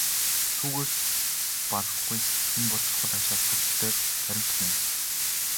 Түүгээр ч барахгүй энэ бол чухал ач холбогдолтой баримт мөн.